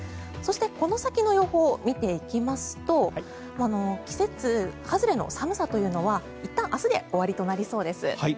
そしてこの先の予報を見ていきますと季節外れの寒さというのはいったん明日で終わりとなりそうです。